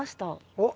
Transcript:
おっ。